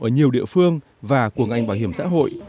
ở nhiều địa phương và của ngành bảo hiểm xã hội